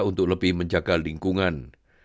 untuk lebih menjaga lingkungan